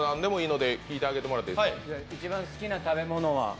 一番好きな食べ物は？